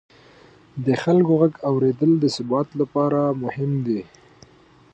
د خلکو غږ اورېدل د ثبات لپاره مهم دي